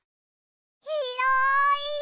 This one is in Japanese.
ひろい！